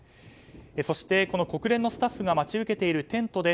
そして、国連のスタッフが待ち受けているテントで